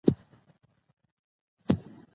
ځمکه د افغانستان په طبیعت کې یو مهم رول لري.